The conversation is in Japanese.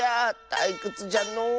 たいくつじゃのう。